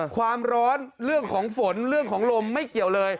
ความร้อนเรื่องของฝนเรื่องของลมไม่เกี่ยวเลย